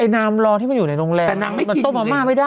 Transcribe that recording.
ไอ้น้ำร้อนที่มันอยู่ในโรงแรมมันต้มมามาไม่ได้นะ